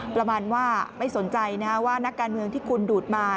ประมาณว่าไม่สนใจว่านักการเมืองที่คุณดูดมา